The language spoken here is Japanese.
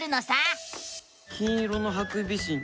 金色のハクビシン